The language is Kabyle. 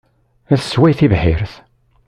La tessway tibḥirt.